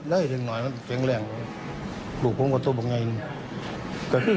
แล้วหลายหน่อยแข็งแรงลูกผมก็ตรวมยังไง